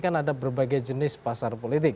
kan ada berbagai jenis pasar politik